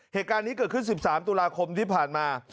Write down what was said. เหตุการณ์นี้เกิดขึ้น๑๓ตุลาคมที่ผ่านมา